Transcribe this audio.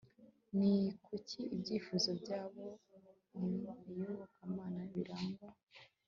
ni kuki ibyifuzo byabo mu iyobokamana birangwa